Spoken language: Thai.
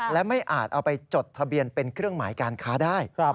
และไม่อาจเอาไปจดทะเบียนเป็นเครื่องหมายการค้าได้